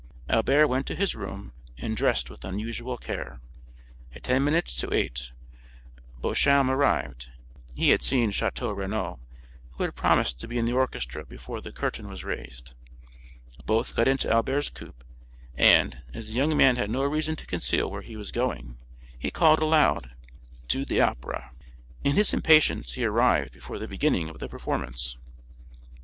Albert went to his room, and dressed with unusual care. At ten minutes to eight Beauchamp arrived; he had seen Château Renaud, who had promised to be in the orchestra before the curtain was raised. Both got into Albert's coupé; and, as the young man had no reason to conceal where he was going, he called aloud, "To the Opera." In his impatience he arrived before the beginning of the performance.